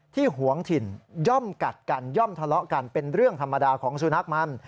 หวงถิ่นย่อมกัดกันย่อมทะเลาะกันเป็นเรื่องธรรมดาของสุนัขมัน